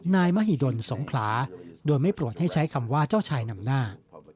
นายมหิดลสงขลาโดยไม่โปรดให้ใช้คำว่าเจ้าชายนำหน้า